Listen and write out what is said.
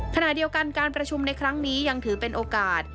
ขณะเดียวกันการประชุมในครั้งนี้ยังถือเป็นโอกาส